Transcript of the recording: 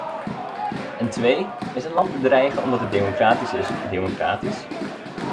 En twee: is een land bedreigen omdat het democratisch is democratisch?